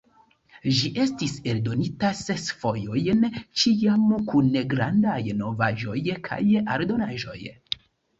Ĝi estis eldonita ses fojojn, ĉiam kun grandaj novaĵoj kaj aldonaĵoj.